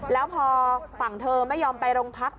แล้วพอฝั่งเธอไม่ยอมไปโรงพัก